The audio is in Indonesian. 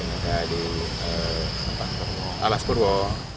atau di alas purwo